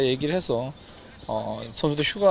dan kami juga ingin menikmati pertandingan